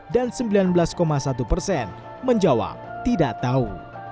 dan sembilan belas satu persen menjawab tidak tahu